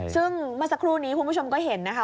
ซึ่งเมื่อสักครู่นี้คุณผู้ชมก็เห็นนะคะ